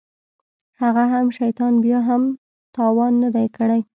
هغه هم شيطان بيا مې هم تاوان نه دى کړى.